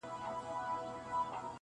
هم غریب دی هم رنځور دی هم ډنګر دی-